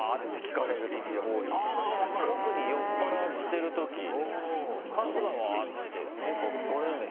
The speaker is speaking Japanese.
特に酔っ払ってるとき「春日は？」ってなんか聞かれるんだよね